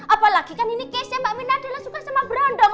apalagi kan ini kesnya mbak mirna adalah suka sama berondong